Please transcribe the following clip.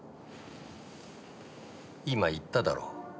今言っただろう。